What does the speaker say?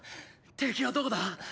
敵はどこだ？